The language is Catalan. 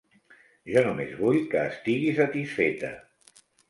Jo només vull que estigui satisfeta.